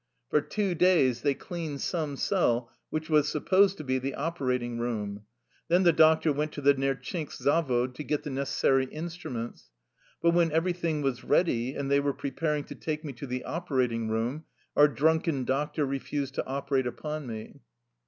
For two days they cleaned some cell which was supposed to be the operating room. Then the doctor went to the Nertchinsk Zavod to get the necessary instru ments. But when everything was ready, and they were preparing to take me to the operating room, our drunken doctor refused to operate upon me.